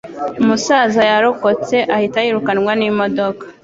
Umusaza yarokotse ahita yirukanwa n'imodoka.